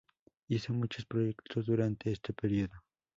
Hizo muchos proyectos durante este período.